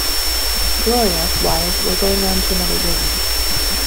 Gloria, why, we're going on to another room.